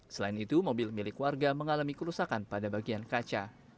selain itu mobil milik warga mengalami kerusakan pada bagian kaca